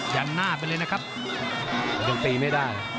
ยันหน้าไปเลยนะครับยังตีไม่ได้